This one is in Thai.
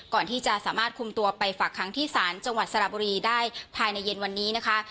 ก่อนที่จะสามารถคุมตัวไปฝากค้างที่ศาลจังหวัดสระบุรีได้ภายในเย็นวันนี้นะคะ